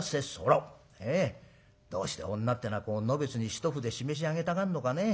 どうして女ってのはこうのべつに一筆しめし上げたがんのかね。